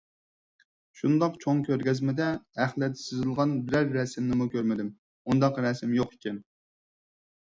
- شۇنداق چوڭ كۆرگەزمىدە ئەخلەت سىزىلغان بىرەر رەسىمنىمۇ كۆرمىدىم، ئۇنداق رەسىم يوق ئىكەن.